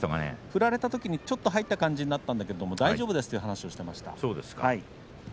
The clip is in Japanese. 振られたときにちょっと入った感じになったんだけど大丈夫ですという話をしていました。